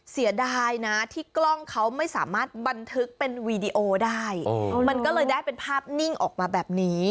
เสียดายนะที่กล้องเขาไม่สามารถบันทึกเป็นวีดีโอได้มันก็เลยได้เป็นภาพนิ่งออกมาแบบนี้